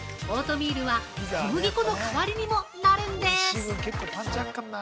オートミールは小麦粉の代わりにもなるんです。